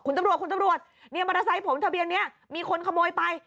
คุณตำรวจนี่มอเตอร์ไซต์ผมทะเบียนนี้มีคนขโมยไป